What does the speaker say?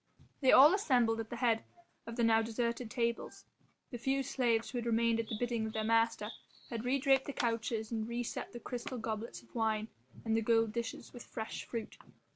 They all assembled at the head of the now deserted tables. The few slaves who had remained at the bidding of their master had re draped the couches and re set the crystal goblets of wine and the gold dishes with fresh fruit.